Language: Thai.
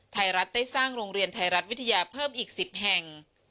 ไทยรัฐได้สร้างโรงเรียนไทยรัฐวิทยาเพิ่มอีก๑๐แห่ง